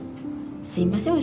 すいません